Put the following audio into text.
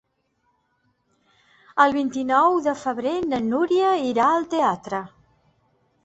El vint-i-nou de febrer na Núria irà al teatre.